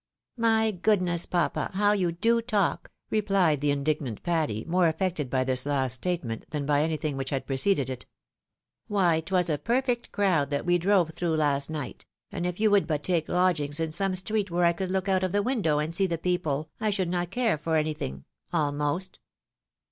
" My goodness, papa, how you do talk !" replied the indig nant Patty, more affected by this last statement than by any thing which had preceded it. " Why, 'twas a perfect crowd that we drove through last night ; and if you would but take lodgings in some street where I could look out of the window and see the people, I should not care for anything, almost."